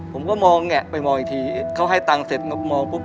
ผมก็มองแงะไปมองอีกทีเขาให้ตังค์เสร็จก็มองปุ๊บ